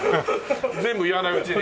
全部言わないうちに。